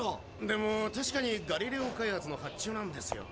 でも確かにガリレオ開発の発注なんですよ。